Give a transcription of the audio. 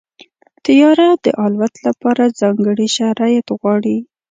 طیاره د الوت لپاره ځانګړي شرایط غواړي.